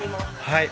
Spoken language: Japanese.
はい。